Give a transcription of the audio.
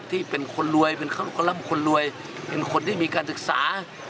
ที่เป็นคนรวยเป็นคนร่ำคนรวยเป็นคนที่มีการศึกษา